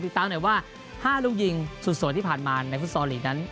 ตามหน่อยว่า๕ลูกยิงสุดสวยที่ผ่านมาในฟุตซอลลีกนั้น